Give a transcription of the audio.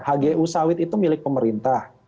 hgu sawit itu milik pemerintah